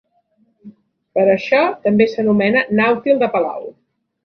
Per això, també s'anomena Nàutil de Palau.